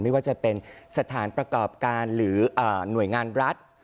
ไม่ว่าจะเป็นสถานประกอบการหรือหน่วยงานรัฐ